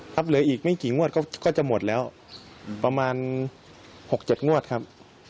เหลืออีกไม่กี่งวดก็จะหมดแล้วประมาณ๖๗งวดครับ